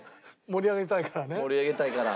盛り上げたいから。